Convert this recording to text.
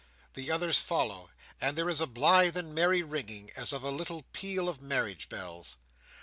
The others follow; and there is a blithe and merry ringing, as of a little peal of marriage bells.